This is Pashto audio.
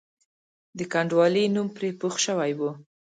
د کنډوالې نوم پرې پوخ شوی وو.